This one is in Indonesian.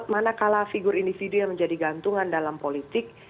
mana kalah figur individu yang menjadi gantungan dalam politik